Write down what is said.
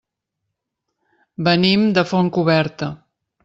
Venim de Fontcoberta.